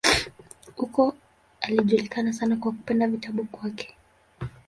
Huko alijulikana sana kwa kupenda vitabu kwake.